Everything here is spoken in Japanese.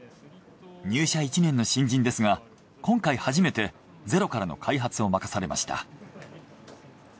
入社１年の新人ですが今回初めてゼロからの開発を任されました。